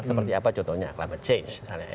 seperti apa contohnya climate change